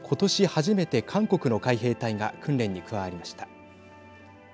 初めて、韓国の海兵隊が訓練に加わりました。